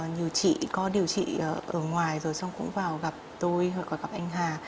nhiều chị có điều trị ở ngoài rồi xong cũng vào gặp tôi hoặc gặp anh hà